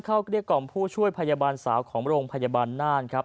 เกลี้ยกล่อมผู้ช่วยพยาบาลสาวของโรงพยาบาลน่านครับ